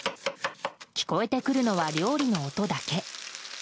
聞こえてくるのは料理の音だけ。